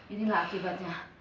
ini lah akibatnya